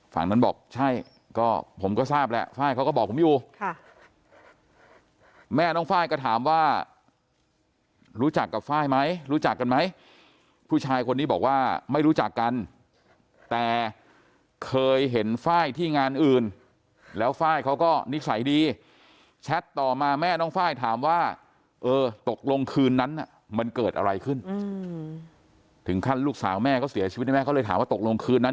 ฝั่งนั้นบอกใช่ก็ผมก็ทราบแหละไฟล์เขาก็บอกผมอยู่แม่น้องไฟล์ก็ถามว่ารู้จักกับไฟล์ไหมรู้จักกันไหมผู้ชายคนนี้บอกว่าไม่รู้จักกันแต่เคยเห็นไฟล์ที่งานอื่นแล้วไฟล์เขาก็นิสัยดีแชทต่อมาแม่น้องไฟล์ถามว่าเออตกลงคืนนั้นมันเกิดอะไรขึ้นถึงขั้นลูกสาวแม่เขาเสียชีวิตแน่เขาเลยถามว่าตกลงคืนนั้น